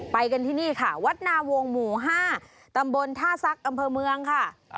ไปกันที่นี่ค่ะวัดนาวงหมู่๕ตำบลท่าซักอำเภอเมืองค่ะ